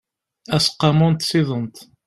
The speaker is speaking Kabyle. aseqqamu n tsiḍent